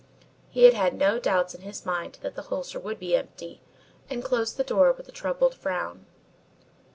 He had had no doubts in his mind that the holster would be empty and closed the door with a troubled frown.